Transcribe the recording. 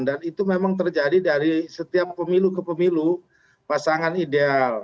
dan itu memang terjadi dari setiap pemilu ke pemilu pasangan ideal